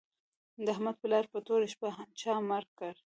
د احمد پلار په توره شپه چا مړ کړ